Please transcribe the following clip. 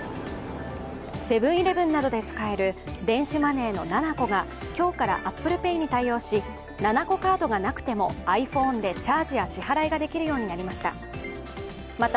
セブン−イレブンなどで使える電子マネーのｎａｎａｃｏが今日からＡｐｐｌｅＰａｙに対応しｎａｎａｃｏカードがなくてもｉＰｈｏｎｅでチャージや支払いができるようになりました。